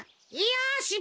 よし。